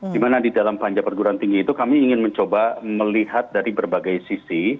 dimana di dalam panja perguruan tinggi itu kami ingin mencoba melihat dari berbagai sisi